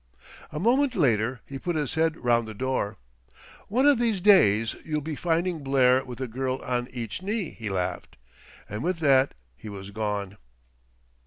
A moment later he put his head round the door. "One of these days you'll be finding Blair with a girl on each knee," he laughed, and with that he was gone.